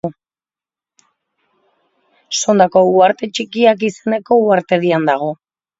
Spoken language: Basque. Sondako uharte txikiak izeneko uhartedian dago.